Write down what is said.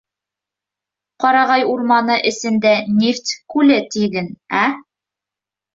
Ҡарағай урманы эсендә нефть күле, тиген, ә?..